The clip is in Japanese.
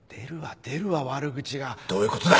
どういうことだ！？